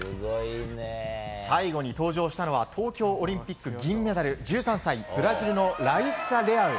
最後に登場したのは東京オリンピック銀メダル１３歳、ブラジルのライッサ・レアウ。